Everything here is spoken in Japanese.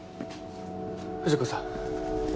藤子さん。